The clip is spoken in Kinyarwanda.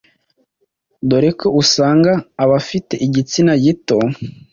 dore ko usanga abafite igitsina gito